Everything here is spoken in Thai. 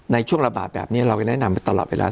ในช่วงระบาดแบบนี้เราก็แนะนำไปตลอดเวลา